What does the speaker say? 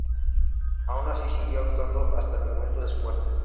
Aun así, siguió actuando hasta el momento de su muerte.